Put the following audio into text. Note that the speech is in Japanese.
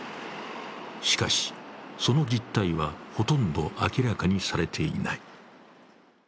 しかし、その実態はほとんど明らかにされていない。